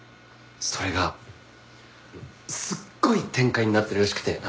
それがすっごい展開になってるらしくて。